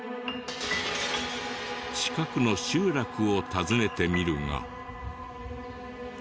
近くの集落を訪ねてみるが。